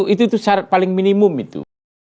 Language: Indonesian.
itu syarat paling minimum itu